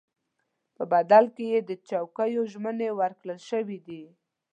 په بدل کې یې د چوکیو ژمنې ورکړل شوې دي.